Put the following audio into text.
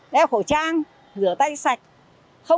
đeo khẩu trang rửa tay sạch